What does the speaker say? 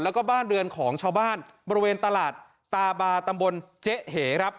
แล้วก็บ้านเรือนของชาวบ้านบริเวณตลาดตาบาตำบลเจ๊เหครับ